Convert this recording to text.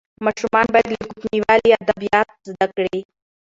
ماشومان باید له کوچنیوالي ادبیات زده کړي.